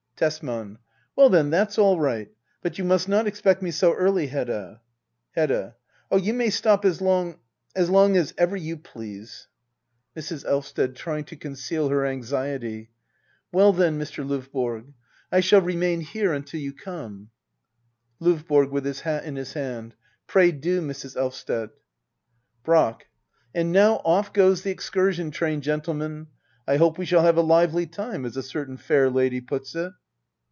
Tesman. Well, then, that's all right. But you must not expect me so early, Hedda. Hedda. Oh, you may stop as long — ^as long as ever you please. Digitized by Google act ii.] hedda oabler. 118 Mrs. Elvsted. [Trying to conceal her anxieit^,] Well then, Mr. Ldvborg — I shall remain here until you come. LdVBORO. [With his hat in his hand.] Pray do, Mrs. Elvsted. Brack. And now off goes the excursion train, gentle men ! I hope we shall have a lively time, as a certain fair lady puts it.